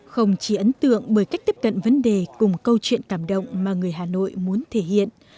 không chỉ ấn tượng bởi cách tiếp cận vấn đề cùng câu chuyện cảm động mà người hà nội muốn thể hiện